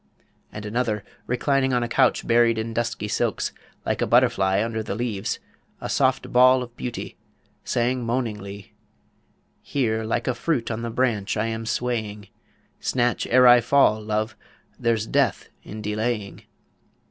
And another, reclining on a couch buried in dusky silks, like a butterfly under the leaves, a soft ball of beauty, sang moaningly: Here like a fruit on the branch am I swaying; Snatch ere I fall, love! there's death in delaying.